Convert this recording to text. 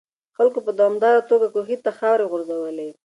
خلکو په دوامداره توګه کوهي ته خاورې غورځولې.